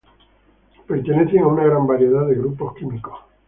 Pertenecen a una gran variedad de grupos químicos.